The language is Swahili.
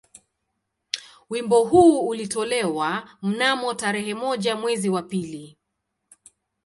Wimbo huu ulitolewa mnamo tarehe moja mwezi wa pili